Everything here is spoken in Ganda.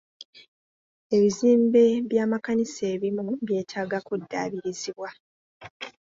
Ebizimbe by'amakanisa ebimu byetaaga kuddaabirizibwa.